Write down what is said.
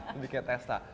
lebih kayak testa